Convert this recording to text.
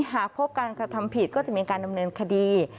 หากพบการกระทำผิดก็จะมีการดำเนินคดี